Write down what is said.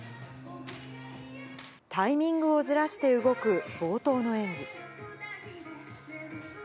タイミングをずらして動く冒頭の演技。